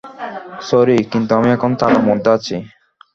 Sorry, কিন্তু আমি এখন তাড়ার মধ্যে আছি।